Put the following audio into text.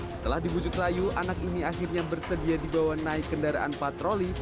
setelah dibujuk layu anak ini akhirnya bersedia dibawa naik kendaraan patroli